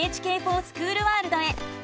「ＮＨＫｆｏｒＳｃｈｏｏｌワールド」へ。